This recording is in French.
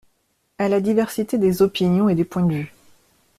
À la diversité des opinions et des points de vue.